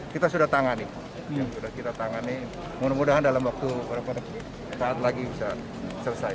kita sudah tangani mudah mudahan dalam waktu saat lagi bisa selesai